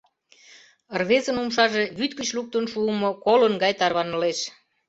Рвезын умшаже вӱд гыч луктын шуымо кодын гай тарванылеш.